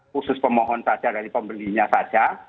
khusus pemohon saja dari pembelinya saja